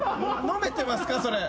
飲めてますかそれ？